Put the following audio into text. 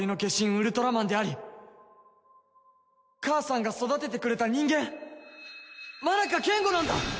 ウルトラマンであり母さんが育ててくれた人間マナカケンゴなんだ！